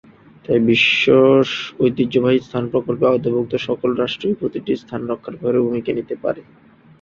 তাই বিশ্ব ঐতিহ্যবাহী স্থান প্রকল্পের আওতাভুক্ত সকল রাষ্ট্রই প্রতিটি স্থান রক্ষার ব্যাপারে ভূমিকা নিতে পারে।